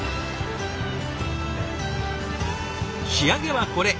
仕上げはこれ。